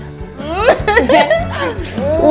gak ada ibu